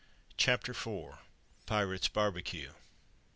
CHAPTER IV. THE PIRATES' BARBECUE.